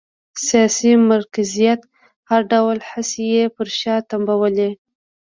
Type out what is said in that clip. سیاسي مرکزیت هر ډول هڅې یې پر شا تمبولې